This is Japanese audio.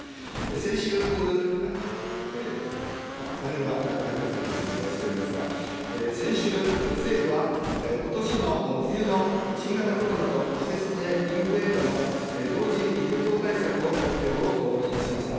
先週、パネルはなかたひろし先生にお願いしておりますが、先週、政府はことしの冬の新型コロナと季節性インフルエンザの同時流行対策を発表をいたしました。